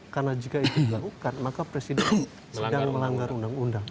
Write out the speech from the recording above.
karena jika itu dilakukan maka presiden sedang melanggar undang undang